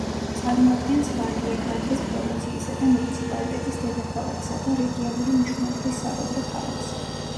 წარმოადგენს ვალიეგრანდეს პროვინციისა და მუნიციპალიტეტის დედაქალაქსა და რეგიონული მნიშვნელობის საბაზრო ქალაქს.